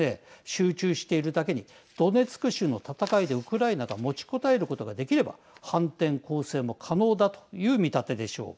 集中しているだけにドネツク州の戦いでウクライナが持ちこたえることができれば反転攻勢も可能だという見立てでしょう。